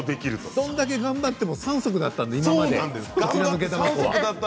どんなに頑張っても３足だったんだ今まで。